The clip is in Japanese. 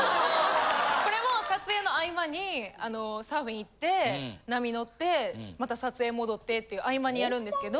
これも撮影の合間にサーフィン行って波乗って撮影戻ってって合間にやるんですけど。